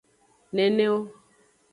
Neneo.